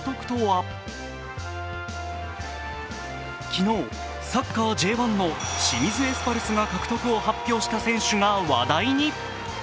昨日、サッカーＪ１の清水エスパルスが獲得を発表した選手が話題に。